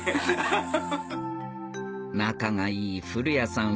仲がいい古屋さん